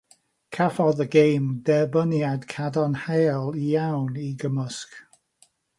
Cafodd y gêm dderbyniad cadarnhaol iawn i gymysg.